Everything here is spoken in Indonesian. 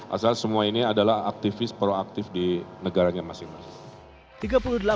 asal semua ini adalah aktivis proaktif di negaranya masing masing